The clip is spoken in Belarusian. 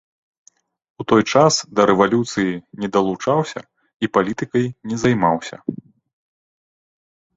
У той час да рэвалюцыі не далучаўся і палітыкай не займаўся.